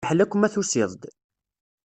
Fiḥel akk ma tusiḍ-d.